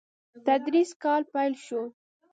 تدريسي کال پيل شو.